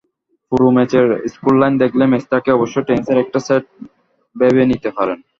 পুরো ম্যাচের স্কোরলাইন দেখলে ম্যাচটাকে অবশ্য টেনিসের একটা সেট ভেবে নিতে পারেন।